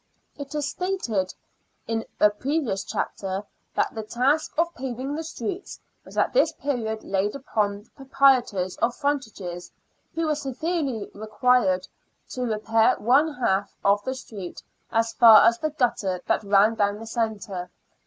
It is stated in a previous chapter* that the task of paving the streets was at this period laid upon the pro prietors of frontages, who were severally required to repair one half of the street as far as the gutter that ran down the centre.